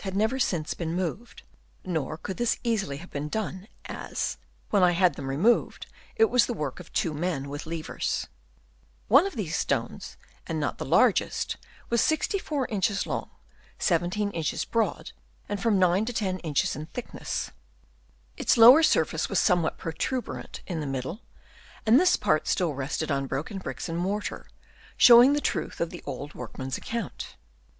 153 had never since been moved ; nor could this easily have been done, as, when I had them removed, it was the work of two men with levers. One of these stones, and not the largest, was 64 inches long, 17 inches broad, and from 9 to 10 inches in thickness. Its lower surface was somewhat protuberant in the middle ; and this part still rested on broken bricks and mortar, showing the truth of the old workman's account.